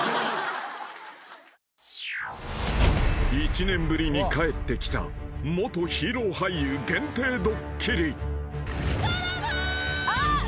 ［１年ぶりに帰ってきた元ヒーロー俳優限定ドッキリ］